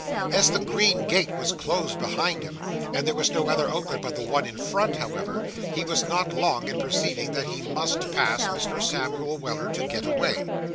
As the green gate was closed behind him, and there was no other outlet but the one in front, however, he was not long in perceiving that he must pass Mr. Samuel Weller to get away.